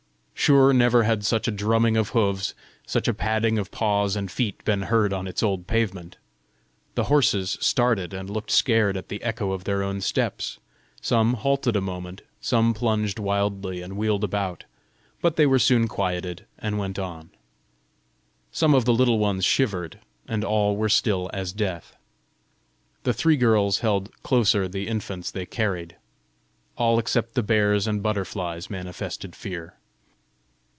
Sure never had such a drumming of hoofs, such a padding of paws and feet been heard on its old pavement! The horses started and looked scared at the echo of their own steps; some halted a moment, some plunged wildly and wheeled about; but they were soon quieted, and went on. Some of the Little Ones shivered, and all were still as death. The three girls held closer the infants they carried. All except the bears and butterflies manifested fear.